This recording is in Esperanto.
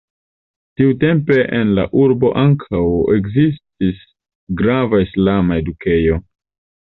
Tiutempe en la urbo ankaŭ ekzistis grava islama edukejo.